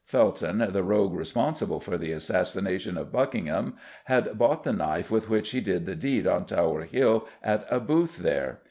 Felton, the rogue responsible for the assassination of Buckingham, had bought the knife with which he did the deed on Tower Hill at a booth there.